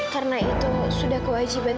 karena itu sudah kewajiban